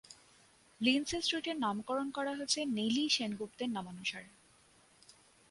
Lindsay স্ট্রিটের নামকরণ করা হয়েছে নেলি সেনগুপ্তের নামানুসারে।